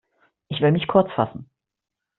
Ich will mich kurzfassen.